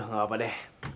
aduh nggak apa apa deh